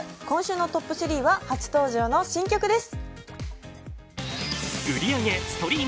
今週のトップ３は初登場の新曲です